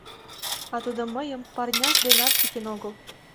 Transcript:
А тудо мыйым парняж денат тӱкен огыл...